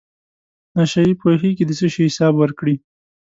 نشی پوهېږي د څه شي حساب ورکړي.